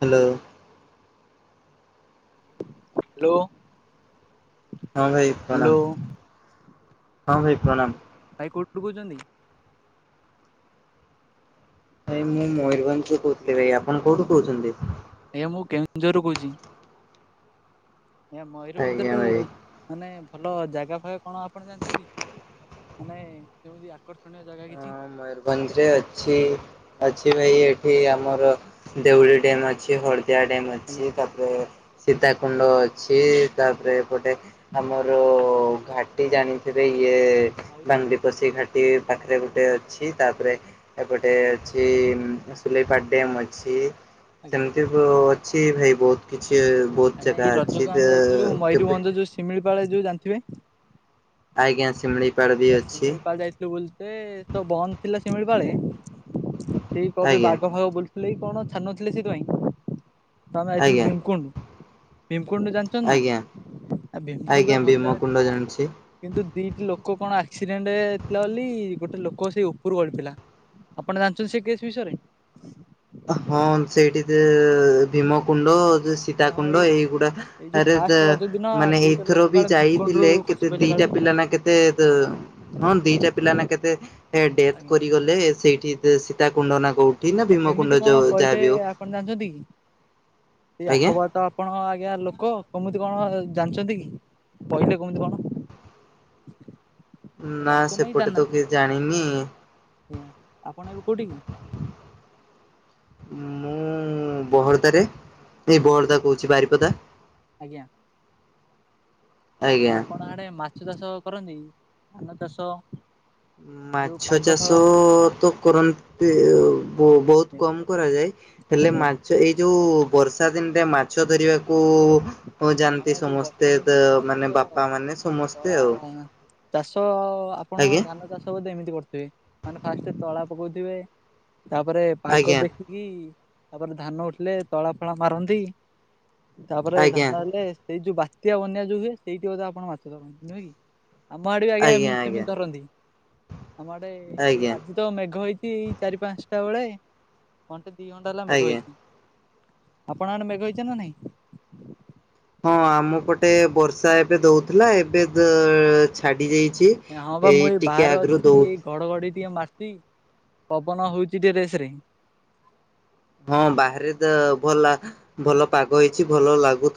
Hello. Hello. ହଁ ଭାଇ hello. ପ୍ରଣାମ। ହଁ ଭାଇ ପ୍ରଣାମ। ଭାଇ କୋଉଠୁ କହୁଛନ୍ତି? ଭାଇ ମୁଁ ମୟୂରଭଞ୍ଜରୁୁ କହୁଥିଲି ଭାଇ, ଆପଣ କୋଉଠୁ କହୁଛନ୍ତି? ଆଜ୍ଞା ମୁଁ କେଉଁଝରରୁ କହୁଛି। ଆ ମୟୂରଭଞ୍ଜରେ ଆଜ୍ଞା ଭାଇ ମାନେ ଭଲ ଜାଗା ଫାଗା କଣ ଆପଣ ଜାଣିଛନ୍ତି? ମାନେ କେମିତି ଆକର୍ଷଣୀୟ ଜାଗା କିଛି? ହଁ ମୟୂରଭଞ୍ଜରେ ଅଛି ଅଛି ଭାଇ ଏଠି ଆମର ଦେଉଳି ଡ୍ୟାମ୍ ଅଛି, ହଳଦିଆ ଡ୍ୟାମ୍ ଆଜ୍ଞା। ଅଛି, ତାପରେ ସୀତାକୁଣ୍ଡ ଅଛି, ତାପରେ ଏପଟେ ଆମର ଘାଟି ଜାଣି ଥିବେ ଇଏ ମୟୂରଭଞ୍ଜ କେବେ ବାଙ୍ଗିରିପୋଷି ଘାଟି ପାଖରେ ଏଇ ଗୋଟେ ଅଛି ତାପରେ ଏପଟେ ଅଛି ସୁଲେଇପାଟ ଡ୍ୟାମ୍ ଅଛି ଆଜ୍ଞା ସେମିତି ଅ-ଅଛି ଭାଇ ବହୁତ କିଛି ବହୁତ ଆଜ୍ଞା ଏଇ ଜାଗା ଅଛି ତ କେବେ ଳିପାଳ ଯୋଉ ଜାଣିଥିବେ ଆଜ୍ଞା। ଶିମିଳି ଏ ଶିମିଳିପାଳ ଯାଇଥିଲୁ ବୁଲିତେ, ତ ବନ୍ଦ ଥିଲା ଶିମିଳିପାଳେ ସେ କବେ ଆଜ୍ଞା ବାଘ, ଫାଘ ବୁଲୁଥିଲେ କି କଣ ଛାଡ଼ୁନଥିଲେ ସେଇଥିପାଇଁ ତ ଆମେ ଯାଇଥିଲୁ ଆଜ୍ଞା ଭୀମକୁଣ୍ଡ। ଭୀମ୍ କୁଣ୍ଡ ଜାଣିଚନ୍ତି ନା? ଆଜ୍ଞା। ଆ ଭୀମକୁଣ୍ଡରେ ଆଜ୍ଞା ଭଲ ଭୀମକୁୁଣ୍ଡ ଜାଗାଥିଲା ଜାଣିଛି। କିନ୍ତୁ ଦିଟି ଲୋକ କଣ ଆକ୍ସିଡେଣ୍ଟ ହେଇଥିଲା ବୋଲି, ଗୋଟେ ଲୋକ ସେଇ ଓପୁରୁ ଗଳି ପଇଲା ଆପଣ ଜାଣିଚନ୍ତି ସେଇ କେସ ବିଷୟରେ? ହଁ ସେଇଠି ଯେ ଭୀମକୁଣ୍ଡ, ଯେ ଏ ହଁ ସୀତାକୁଣ୍ଡ, ଏଇ ଏଇ ଯୋଉ ଏଇଗୁଡାରେ ଫାଷ୍ଟ ଦେ ରଜ ଦିନ ମାନେ ଦିଟା ଏଇଥର ଲୋକ ବି କାଳେ ଯା ଭୀମକୁଣ୍ଡରୁ ଯାଇଥିଲେ, ଖସି କେତେ ପଇଲେ କାଳେ। ଦିଟା ପିଲା ନା କେତେ ହଁ, ଦିଟା ପିଲା ନା କେତେ ଡେଥ ଆଜ୍ଞା କରିଗଲେ, ସେଇଠି ଦେ ସୀତା କୁଣ୍ଡ ନା କୋଉଠି ନା ଭୀମ କେମିତି କଣ କହିଲେ ଆପଣ ଜାଣିଚନ୍ତି କି? ସେଇ ଆଜ୍ଞା ଆଖପାଖ ତ ଆପଣ ଆଜ୍ଞା ଲୋକ କେମିତି କଣ ଜାଣିଚନ୍ତି କି? ପଇଲେ କେମିତି କଣ? ନା, ଜାଣିଛନ୍ତି କି ସେପଟେ ତ ଜାଣିନାହାନ୍ତି? କିଛି ଜାଣିନି ଆଜ୍ଞା। ଆପଣ ଏବେ କୋଉଠି କି? ମୁଁ ବହରଦାରେ। ନାଇଁ ଆଜ୍ଞା ବହରଦା କହୁଛି ବାରିପଦା ଆଜ୍ଞା। ଆପଣଙ୍କ ଆଡେ ମାଛ ଚାଷ କରନ୍ତି? ଧାନ ଚାଷ ଯୋଉ ପାଗ ଫାଗ ମାଛଚାଷ ତ କରନ୍ତି, ବହୁତ କମ କରାଯାଏ ହେଲେ, ମାଛ ଏଇ ଯୋଉ ବର୍ଷା ଦିନରେ ମାଛ ଧରିବାକୁ ହଉ ଯାଆନ୍ତି ହଁ ଯୋଉ ବର୍ଷା ସମସ୍ତେ ତ ଦିନରେ ଫାଷ୍ଟ ମାନେ ତ ବାପାମାନେ ତଳା ସମସ୍ତେ ଆଉ। ଚାଷ ଅ ଆପଣ ଆଜ୍ଞା ଧାନ ଚାଷ ସବୁ ଏମିତି କରୁଥିବେ, ମାନେ ଫାଷ୍ଟ ତଳା ପକଉଥିବେ, ତାପରେ ପାଗ ଆଜ୍ଞା ଦେଖିକି ତାପରେ, ଧାନ ଉଠିଲେ, ତଳା ଫଳା ମାରନ୍ତି, ତାପରେ ଧା ଆଜ୍ଞା ସେଇ ଯୋଉ ବାତ୍ୟା, ବନ୍ୟା ଯୋଉ ହୁଏ, ସେଇଠି ବଧେ ଆପଣ ମାଛ ଧରନ୍ତି, ନୁହେଁ କି? ଆମ ଆଡେବି, ଆଜ୍ଞା, ଏମିତି ସେମିତି ଧରନ୍ତି। ଆମ ଆଡ଼େ ଏଇ ଆଜ୍ଞା ଆଜି ତ ମେଘ ହେଇଛି ଏଇ ଚାରି ପାଞ୍ଚ ଟା ବେଳେ ଘଣ୍ଟେ ଦି ଘଣ୍ଟା ହେଲା ମେଘ ଆଜ୍ଞା। ହେଇଛି। ଆପଣ ଆଡେ ମେଘ ହେଇଚି ନା ନାଇଁ। ହଁ ଆମ ପଟେ ବର୍ଷା ଏବେ ଦଉଥିଲା ଏବେ ଦ ଛାଡି ଯାଇଛି ହଁ ଏଇ ଟିକେ ଆଗରୁ ଦଉ। କି ମାଟି ପବନ ହଉଛି ଟିକେ ଯେ ରେସରେ। ହଁ ବାହାରେ ତ ଭଲା ଭଲ ପାଗ ହେଇଛି ଭଲ ଲାଗୁ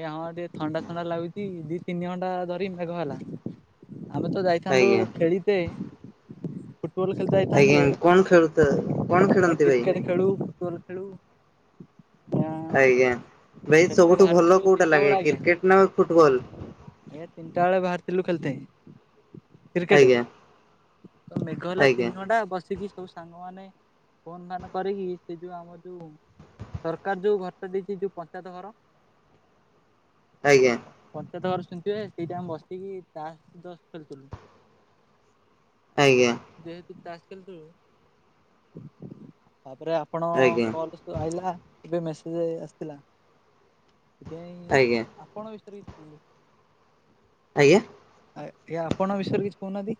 ଏଇ ହଁ ଟିକେ ଥଣ୍ଡା ଥଣ୍ଡା ଲାଗୁଛି ଦି ତିନି ଘଣ୍ଟା ଧରି ମେଘ ହେଲା। ଆମେ ତ ଯାଇଥାନ୍ତୁ ଆଜ୍ଞା। ଖେଳିିତେ। ଫୁଟବଲ ଖେଲତେ ଆଜ୍ଞା ଯାଇଥାନ୍ତୁ କଣ ଖେଳୁତ କଣ ଯେ ଖେଳନ୍ତି ଭାଇ? କ୍ରିକେଟ ଖେଳୁ। ଫୁଟବଲ୍ ଖେଳୁ। ଆଜ୍ଞା ଭାଇ ଖେଳିତେ ସବୁଠୁ ଭଲ ବାହାରିଥିଲୁ କୋଉଟା ତିନିଟା ବେଳେ ଲାଗେ ଆଜ୍ଞା କ୍ରିକେଟ ନା ଫୁଟବଲ। ଆଜ୍ଞା ତିନିଟା ବେଳେ ବାହାରିଥିଲୁ ଖେଳିତେ କ୍ରିକେଟେ। ଆଜ୍ଞା ତ ମେଘ ହେଲା ଆଜ୍ଞା ତିନି ଘଣ୍ଟା ବସ ବସିକି ସବୁ ସାଙ୍ଗମାନେ ଫୋନ ଫାନ କରିକି ସେ ଯୋଉ ଆମର ଯୋଉ। ସରକାର ଯୋଉ ଘରଟା ଦେଇଛି ଯୋଉ ପଞ୍ଚାୟତ ଘର। ଆଜ୍ଞା ପଞ୍ଚାୟତ ଘର। ଶୁଣିଥିବେ ସେଇଟା ଆମେ ବସକି ତାସ ଦସ ଖେଳଥିଲୁ। ଆଜ୍ଞା। ତାସ ଖେଳୁଥିଲୁ ତାପରେ ଆପଣ ଆଜ୍ଞା କଲ ସ ଆଇଲା। ଏବେ ମେସେଜ ଆସିଥିଲା ସେଥିପାଇଁ ଆଜ୍ଞା ଆପଣ ବିଷୟରେ କି ନ୍ତୁ। ଆଜ୍ଞା। ଆ ଏ ଆପଣ ବିଷୟରେ କିଛି କହୁନାହାନ୍ତି।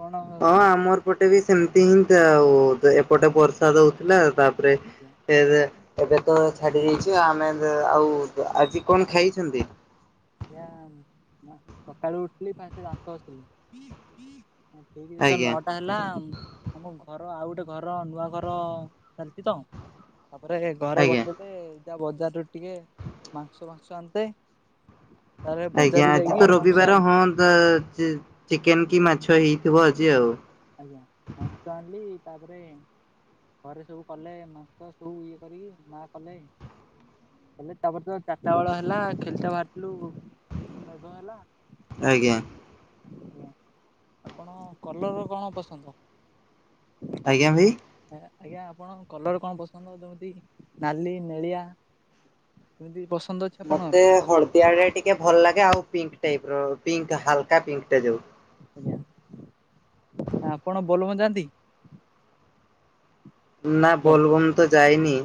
କଣ ହଁ ଆଜ୍ଞା ଆମର ପଟେ ବି ସେମତି ହିଁ ତ ଆଉ। ଏପଟେ ବର୍ଷା ଦଉଥିଲା ତାପରେ ଆଜ୍ଞା ଫେରେ। ଏବେ ତ ଛାଡି ଯାଇଛି ଆମେ ଆଉ ଆଜି କଣ ଖାଇଛନ୍ତି। ଆଜ୍ଞା ସକାଳୁ ଉଠିଲି ଫାର୍ଷ୍ଟ ଦାନ୍ତ ଘଷିଲି। ଠିକ ଯେତେ ଆଜ୍ଞା ନଅଟା ହେଲା ଆମ ଘ ର ଆଉ ଗୋଟେ ଘର ନୂଆ ଘର ଚାଲିଛି ତ ତାପରେ ଘରେ ଆଜ୍ଞା ପଠେଇଲେ। ବଜାରରୁ ଟିକେ ମାଂସ ଫାଂସ ଆଣତେ। ଆଜ୍ଞା ଆଜି ତ ରବିବାର ଆଣିଲି ହଁ ତ ଚି-ଚିକେନ। କି ମାଛ ହେଇଥିବ ଆଜି ଆଉ। ଆଜ୍ଞା ମାଂସ ଆଣଲି। ତାପରେ ଘରେ ସବୁ କଲେ ମାଂସ ତୁ ଇଏ କରିକି ମା କଲେ। ହେଲେ ତାପରେ ତ ଚାରିଟା ବେଳ ହେଲା ଖେଳତେ ବାହାରଥିଲୁ ମେଘ ହେଲା। ଆଜ୍ଞା। ଆଜ୍ଞ ଆପଣ କଲର ର କଣ ପସନ୍ଦ। ଆଜ୍ଞା ଭାଇ। ଆଜ୍ଞା ଆପଣ କଲର କଣ ପସନ୍ଦ ଯେମିତି ନାଲି ନେଳିଆ ଏମିତି ପସନ୍ଦ। ଅଛି ମତେ ଆପଣଙ୍କର ହଳଦିଆ ଟା ଟିକେ ଭଲ ଲାଗେ ଆଉ ପିଙ୍କ ଟାଇପ ପିଙ୍କ ହାଲକା ପିଙ୍କ ଟା ଯଉ। ଆଜ୍ଞା ଆପଣ ବୋଲବମ ଯାଆନ୍ତି। ନା ବୋଲବମ୍ ତ ଯାଇନି।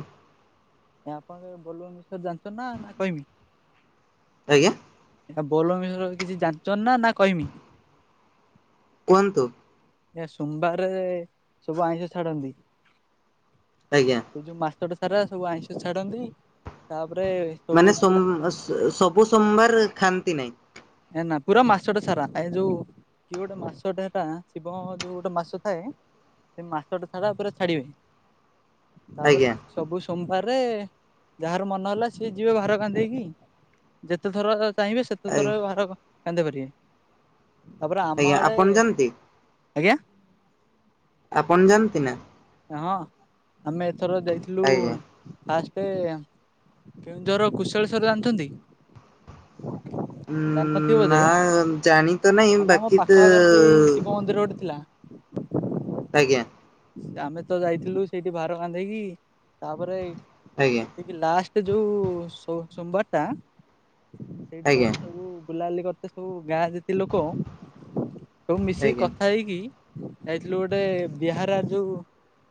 ଏ ଆପଣ ସେ ବୋଲବାମ ବିଷୟରେ ଜାଣିଛନ୍ତି ନା ନା କହିମି। ଆଜ୍ଞା। ବୋଲବମ୍ ବିଷୟରେ କିଛି ଜାଣିଛନ୍ତି ନା? ନା କହିମି କୁହନ୍ତୁ। ଏ ସୋମବାରେ ସବୁ ଆଇଁଷ ଛାଡନ୍ତି ଆଜ୍ଞା। ।ସେ ଯୋଉ ମା ଟା ସାରା ସବୁ ଆଇଁଷ ଛାଡନ୍ତି, ତାପ ମାନେ ସୋମ ସବୁ ସୋମବାର ଖାଆନ୍ତି ନାଇଁ। ନା ନା ପୁରା ମାସଟା ସାରା ଏ ଯୋଉ କିଏ ଗୋଟେ ମାସଟେ ହେକା ଶିବଙ୍କ ଯୋଉ ଗୋଟେ ମାସ ଥାଏ। ସେ ମାସଟା ସାରା ପୁରା ଛାଡିବେ। ତାପରେ ଆଜ୍ଞା ସବୁ ସୋମ ବାରେ ଯାହାର ମନ ହେଲା ସିଏ ଯିବ ଭାର କାନ୍ଧେଇକି। ଯେତେଥର ଚାହିଁବେ ସେତେଥର ବି ଭାର କାନ୍ଧେଇ ପାରିବେ। ତାପରେ ଆମ ଆଜ୍ଞା ଆଡେ ଆପଣ ଯାଆନ୍ତି? ଆଜ୍ଞା। ଆପଣ ଯାଆନ୍ତି ନା? ହଁ ଆମେ ଏଥର ଯାଇଥିଲୁ ଆଜ୍ଞା। ଫାଷ୍ଟ ସେ କେଉଁଝରର କୁଶଳେଶ୍ୱର ଜାଣିଚନ୍ତି? ହଁ [inaudible] ଉମ୍ ନାଁ ଜାଣି ତ ନାହିଁ, ମାନେ ଆମ ବାକି ପାଖ ତ ଆଖରେ ସେଇ ଶିବ ମନ୍ଦିର ଗୋଟେ ଥିଲା ଆଜ୍ଞା। ଆମେ ତ ଯାଇଥିଲୁ ସେଇଠି ଭାର କାନ୍ଧେଇକି, ତାପରେ ଆଜ୍ଞା ଠିକ୍ ଲାଷ୍ଟ ଯୋଉ ସୋ-ସୋମବାର ଟା ସେଇଠି ତ ଆଜ୍ଞା ଆଜ୍ଞା ସବୁ ବୁଲାବୁଲି କରତେ ସବୁ ଗାଁରେ ଯେତିକି ଲୋକ, ସବୁ ମିଶିକି କଥା ହେଇକି ଯାଇଥିଲୁ ଗୋଟେ ବିହାର ଯୋଉ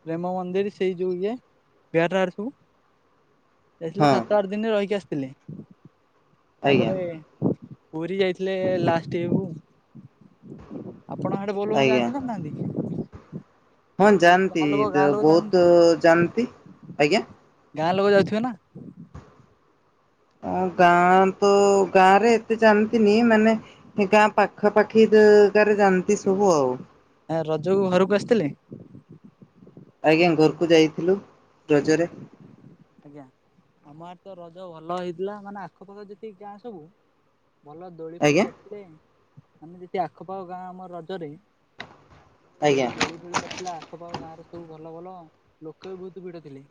ପ୍ରେମ ମନ୍ଦିର ସେଇ ଯୋଉ ଇଏ, ବିହାର ଆଡ଼େ ସବୁ ଯାଇଥିଲେ ହଁ ସାତ ଆଠ ଦିନ ରହିକି ଆସିଥିଲେ। ଆଜ୍ଞା। ତାପରେ ପୁରୀ ଯାଇଥିଲେ ଲାଷ୍ଟ ଇଏକୁ ଆପଣଙ୍କ ଆଡେ ବୋଲବମ ଆଜ୍ଞା ଯାଆନ୍ତି ନା ନାହାଁନ୍ତି? ହଁ ଯାଆନ୍ତି ତ ବହୁତ ଯାଆନ୍ତି। ଆଜ୍ଞା? ଗାଁ ଲୋକ ଯାଉଥିବେ ନା? ହଁ ଗାଁ ତ ଗାଁରେ ଏତେ ଯାଆନ୍ତିନି, ମାନେ ଏ ଗାଁ ପାଖାପାଖି ଗାଁରେ ଯାଆନ୍ତି ସବୁ ଆଉ। ଏ ରଜ ଘରକୁ ଆସିଥିଲେ? ଆଜ୍ଞା ଘରକୁ ଯାଇଥିଲୁ ରଜରେ। ଆଜ୍ଞା। ଆମ ଆଡ଼େ ତ ରଜ ଭଲ ହେଇଥିଲା, ମାନେ ଆଖପାଖ ଯେତିକି ଗାଁ ସବୁ ଭଲ ଦୋଳି ଫୋଳି ଆଜ୍ଞା ପଡ଼ିଥିଲେ, ଆମେ ଯଦି ଆଖପାଖ ଗାଁ ଆମ ରଜରେ ଆଜ୍ଞା ସବୁ ଦୋଳି ଫୋଳି ପଡିଥିଲା ଆଖପାଖ ଗାଁରେ ସବୁ ସବୁ ଭଲ ଭଲ, ଲୋକେ ବି ବହୁତ ଭିଡ ଥିଲେ।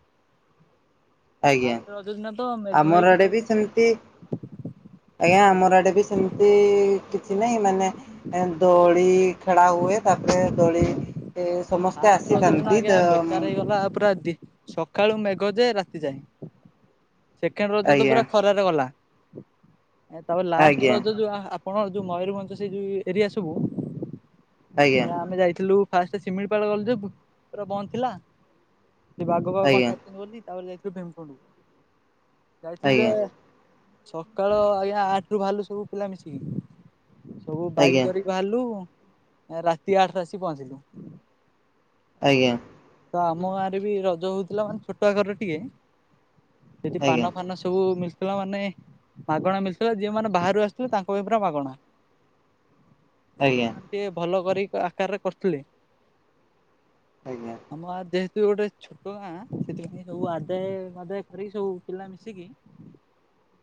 ଆଜ୍ଞା। ଫାଷ୍ଟ ରଜ ଦିନ ତ ମେଘ ଆମର ହେଇକି ଆଡେ ବି ସବୁ ସେମତି ଆଜ୍ଞା ଆମର ଏଡେ ବି ସେମି ତି କିଛି ନାହିଁ, ମାନେ ଦୋଳି ଖେଳା ହୁଏ ତାପରେ ଦୋଳି ଆଜ୍ଞା ଏ ସମସ୍ତେ ଫାଷ୍ଟ ରଜ ଦିନ ଆସିଥାନ୍ତି ଆଜ୍ଞା ତ ବେକାର ହେଇଗଲା ପୁରା ଦି ସକାଳୁ ମେଘ ଯେ ରାତି ଯାଏ। ସେକେଣ୍ଡ ରଜ ତ ଆଜ୍ଞା ପୁରା ଖରାରେ ଗଲା। ତାପ ଆଜ୍ଞା ଲାଷ୍ଟ ଆଜ୍ଞା ରଜ ଯୋଉ ଆ ଆପଣଙ୍କର ଯୋଉ ମୟୂରଭଞ୍ଜ ସେ ଯୋଉ ଏରିଆ ସବୁ, ଆଜ୍ଞା ସେୟା ଆମେ ଯାଇଥିଲୁ ଫାଷ୍ଟ ଶିମିଳି ପାଳ ଗଲୁ ଯେ ପୁରା ବନ୍ଦ ଥିଲା, ସେ ବାଘ ଫାଘ କଣ ଆଜ୍ଞା ଛାଡୁଚନ୍ତି ବୋଲି ତାପରେ ଯାଇଥିଲୁ ଭୀମକୁଣ୍ଡ। ଯାଇଥିଲୁ ଆଜ୍ଞା ଯେ ସକାଳ ଆଜ୍ଞା ଆଠ ରୁ ବାହାରିଲୁ ସବୁ ପିଲା ମିଶିକି। ସବୁ ବାଇକ ଆଜ୍ଞା ଧରିକି ବାହାରିଲୁ ରାତି ଆଠରେ ଆସି ପହଞ୍ଚିଲୁ। ଆଜ୍ଞା। ତ ଆମ ଗାଁ ରେ ବି ରଜ ହଉଥିଲା ମାନେ ଛୋଟ ଆକାରରେ ଟିକେ ସେଠି ପାନ ଫାନ ସବୁ ମିଳ ମିଳୁଥିଲା ମାନେ ମାଗଣା ମିଳୁଥିଲା ଯଉ ମାନେ ବାହାରୁ ଆସିଥିଲେ ତାଙ୍କ ପୁରା ମାଗଣା। ସେଠି ଆଜ୍ଞା ଟିକେ ଭଲ କରିକି ଆକାରରେ କରିଥିଲେ। ଆଜ୍ଞା। ଆମ ଗାଁ ଯେହେତୁ ଗୋଟେ ଛୋଟ ଗାଁ ସେଥିପାଇଁ ସବୁ ଆଦାୟ ମାଦାୟ କରିକି ସବୁ ପିଲା ମିଶିକି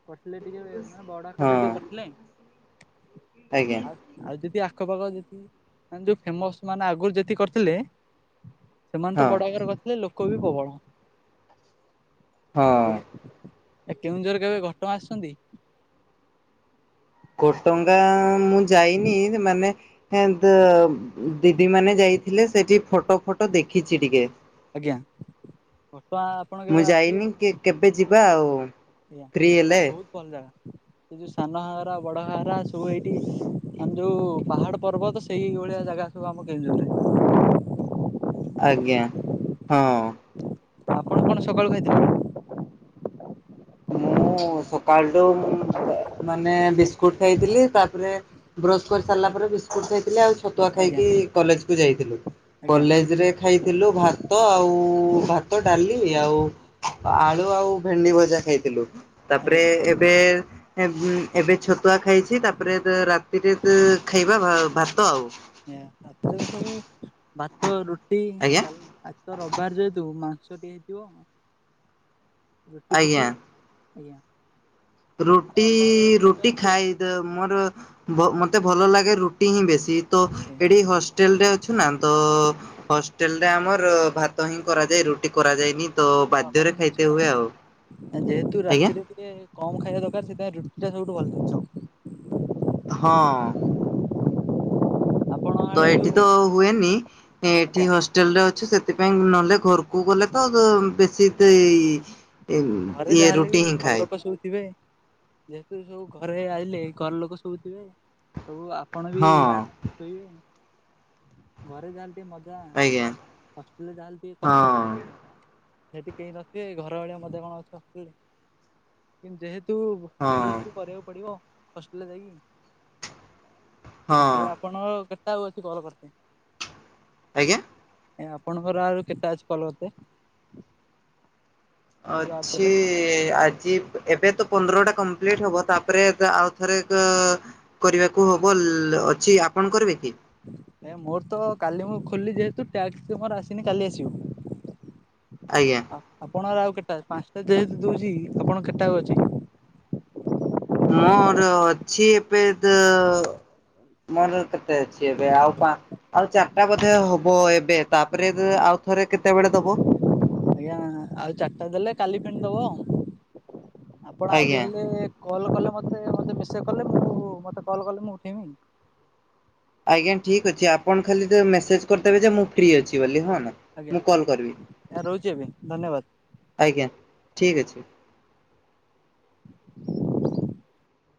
କରିଥିଲେ ଟିକେ ମାନେ ବଡ ହଁ ଆକାରରେ ଟିକେ କରିଥିଲେ। ଆଜ୍ଞା। ଆଉ-ଆଉ ଯଦି ଆଖ ପାଖ ଯେତିକି ମାନେ ଯୋଉ ଫେମସ ମାନେ ଆଗରୁ ଯେତିକି କରିଥିଲେ ସେମାନେ ତ ହଁ ବଡ ଆକାରରେ କରିଥିଲେ, ଲୋକ ବି ପ୍ରବଳ। ହଁ ଆଜ୍ଞା। ଏ କେଉଁଝର କେବେ ଘଟଗାଁ ଆସିଛନ୍ତି? ଘଟଗାଁ ମୁଁ ଯାଇନି ମାନେ [unintelligible] ଦିଦି ମାନେ ଯାଇଥିଲେ ସେଠି ଫଟୋ-ଫଟୋ ଦେଖିଛି ଟିକେ। ଆଜ୍ଞା। ଘଟଗାଁ ଆପଣ ମୁଁ କେବେ ଆସିବେ ଯାଇନି, କେବେ ଯିବା ଆଉ ଆଜ୍ଞା ଫ୍ରୀ ନା ହେଲେ। ବହୁତ ଭଲ ଜାଗା ସେ ଯୋଉ ସାନ ଘାଗରା ବଡ ଘାଗରା ସବୁ ଏଇଠି ଆମେ ଯୋଉ ପାହାଡ ପର୍ବତ ସେଇଭଳିଆ ଜାଗା ସବୁ ଆମ କେଉଁଝର ରେ। ଆଜ୍ଞା ଆଜ୍ଞା ହଁ। ଆପଣ କଣ ସକାଳୁ ଖାଇଥିଲେ? ମୁଁ ସକାଳଠୁ ମାନେ ବିସ୍କୁଟ ଖାଇଥିଲି ତାପରେ ବ୍ରସ୍ କରି ସାରିଲା ପରେ ବିସ୍କୁଟ ଖାଇଥିଲି ଆଉ ଛ ଛତୁଆ ଆଜ୍ଞା ଖାଇକି କଲେଜ କୁ ଯାଇଥିଲୁ ଆଜ୍ଞା କଲେଜରେ ଖାଇଥିଲୁ ଭାତ ଆଉ ଭାତ ଡାଲି ଆଉ ଆଳୁ ଆଉ ଭେଣ୍ଡି ଭଜା। ଖାଇଥିଲୁ ତାପରେ ଆଜ୍ଞା ଏବେ-ଏବେ ଛତୁଆ ଖାଇଛି ତାପରେ ରାତିରେ ଖାଇବା ଭାତ ଆଉ। [unintelligible] ସବୁ ଭାତ ରୁଟି ଆଜ୍ଞା ଆଜିତ ରବିବାର ଯେହେତୁ ମାଛ ମାଛଟିଏ ହେଇଥିବ ରୁଟି ଫୁଟି ଆଜ୍ଞା। ଆଉ ଆପଣ କେବେ ରୁଟି-ରୁଟି କେଉଁଝର ଆସିବେ ଖାଏ ମୋର ମତେ ଭଲ ଲାଗେ ରୁଟି ହିଁ ବେଶୀ ତ ଏଠି ହଷ୍ଟେଲ ରେ ଅଛୁ ନା ତ ହଷ୍ଟେଲ ରେ ଆମର ଭାତ ହିଁ କରାଯାଏ ରୁଟି କରାଯାଏନି ତ ନରମ ବାଧ୍ୟରେ ଖାଇତେ ଜିନିଷ ଟା ହୁଏ ଆଉ। ଯେହେତୁ ଆଜ୍ଞା ରାତିରେ ଟିକେ କମ ଖାଇବା ଦରକାର। ସେଟା ରୁଟି ଟା ସବୁଠୁ ଭଲ ଜିନିଷ। ହଁ। ଆପଣ ତ ଆଡେ ଏଠି ଯୋଉ ତ ହୁଏନି ଆଜ୍ଞା ଏଠି ହଷ୍ଟେଲ ରେ ଅଛୁ ସେଥିପାଇଁ ନହେଲେ ଘରକୁ ଗଲେ ତ ବେଶୀ ସେଇ ଘରେ ଯାହା ହେଲେ ବି ଭଲ ଲୋକ ସବୁ ଥିବେ। ଯେହେତୁ ସବୁ ଘରେ ଆସିଲେ ଘର ଲୋକ ସବୁ ଥିବେ। ହଊ ଆପଣ ବି ହଁ ଆରାମ ଶୋଇବେ ଘରେ ଯାହେଲେ ସେ ମଜା ଆଜ୍ଞା ହଷ୍ଟେଲରେ ଯାହା ହେଲେ ଟିକେ ହଁ କଷ୍ଟ। ସେଠି କେହି ନଥିବେ ଘର ଭଳିଆ ମଧ୍ୟେ କଣ ଅଛି କିନ୍ତୁ ଯେହେତୁ ତୁ ହଁ ବି ଏ ସି କରିବାକୁ ପଡିବ ହଷ୍ଟେଲରେ ଯାଇକି। ହଁ ଆଜ୍ଞା ଆପଣ କେତଟା ଆଉ ଅଛି କଲ କରିବା ପାଇଁ? ଆଜ୍ଞା। ଏ ଆପଣଙ୍କର ଆଉ କେତଟା ଅଛି କଲ [unintelligible] ଅଛି ଆଜି ଏବେ ତ ପନ୍ଦରଟା କମ୍ପ୍ଲିଟ ହେବ, ତାପରେ ଆଉଥରେ କରିବାକୁ ହବ ଅଛି କଣ କରିବେ କି? ଏ ମୋର ତ କାଲି ମୁଁ ଖୋଲିିଲି ଯେହେତୁ ଟାସ୍କ ତ ମୋର ଆସିନି କାଲି ଆସିବ। [inaudible] ଆଜ୍ଞା ଆପଣଙ୍କର ଆଉ କେତେ? ପାଞ୍ଚଟା ଯେହେତୁ ଦଉଛି, ଆପଣଙ୍କ କେତଟା ଆଉ ଅଛି? ମୋର ଅଛି ଏବେ ତ ମୋର କେତେ ଅଛି ଏବେ ଆଉ ପାଞ୍ଚ ଆଉ ଚାରିଟା ବୋଧେ ହବ ଏବେ ତାପରେ ଆଉ ଥରେ କେତେବେଳେ ଦବ? ଆଜ୍ଞା ଆଉ ଚାରିଟା ଦେଲେ କାଲି ପୁଣି ଦବ ଆପଣ ଆଉଠି ଆଜ୍ଞା ହେଲେ କଲ୍ କଲେ ମତେ ମୋତେ ମିସେଜ କଲେ ମୁଁ ମତେ କଲ୍ କଲେ ମୁଁ ଉଠେଇବି ଆଉ । ଆଜ୍ଞା ଠିକ୍ ଅଛି ଆପଣ ଖାଲି ତ ମେସେଜ୍ କରିଦେବେ ଯେ ମୁଁ ଫ୍ରି ଅଛି ବୋଲି । ଆଜ୍ଞା ଆ ରହୁଛି ଏବେ ଧନ୍ୟବାଦ । ଆଜ୍ଞା ଠିକ ଅଛି । [inaudible]